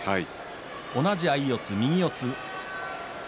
同じ相四つ右四つ。